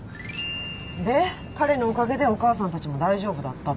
で彼のおかげでお母さんたちも大丈夫だったと。